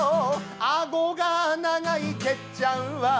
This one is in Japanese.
顎が長いてっちゃんは